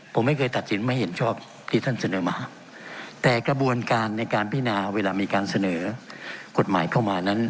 ผมไม่เคยตัดสินไม่เห็นชอบที่ท่านเสนอมาแต่กระบวนการในการพินาเวลามีการเสนอกฎหมายเข้ามานั้น